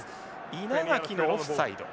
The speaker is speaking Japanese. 稲垣のオフサイド。